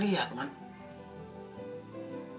sejak kapan kamu shalat